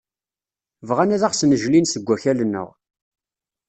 Bɣan ad ɣ-snejlin seg akal-nneɣ.